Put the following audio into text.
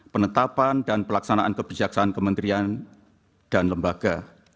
penetapan dan pelaksanaan kebijaksaan kementerian dan lembaga